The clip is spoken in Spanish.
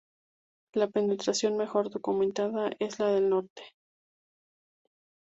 La penetración mejor documentada es la del norte.